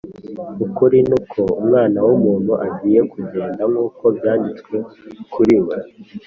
Ukuri nuko Umwana w’ umuntu agiye kugenda nk’ uko byanditswe kuri we